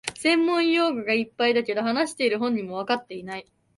専門用語がいっぱいだけど、話してる本人もわかってない